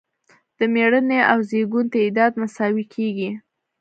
د مړینې او زیږون تعداد مساوي کیږي.